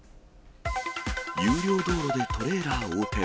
有料道路でトレーラー横転。